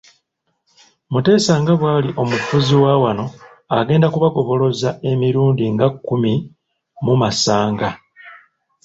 Mutesa nga bw'ali omufuzi wa wano agenda kubagoboloza emirundi nga kkumi mu masanga.